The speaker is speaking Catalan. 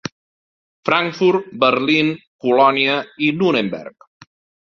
Frankfurt, Berlín, Colònia i Nuremberg.